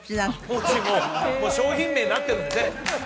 もう商品名になってるんですね